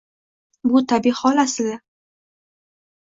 Bu tabiiy hol aslida